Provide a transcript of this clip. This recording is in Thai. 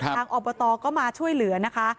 อบตก็มาช่วยเหลือนะคะ